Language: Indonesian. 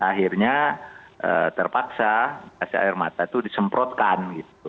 akhirnya terpaksa gas air mata itu disemprotkan gitu